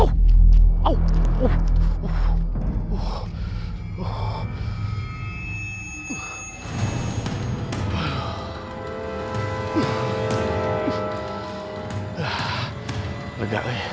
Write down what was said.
salah dengar kali